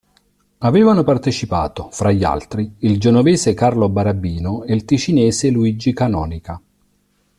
Avevano partecipato, fra gli altri, il genovese Carlo Barabino e il ticinese Luigi Canonica.